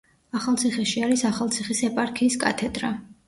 ახალციხეში არის ახალციხის ეპარქიის კათედრა.